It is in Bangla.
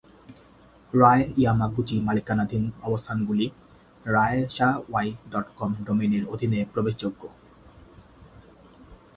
রায় ইয়ামাগুচি মালিকানাধীন অবস্থানগুলি রায়শাওয়াই ডট কম ডোমেইনের অধীনে প্রবেশযোগ্য।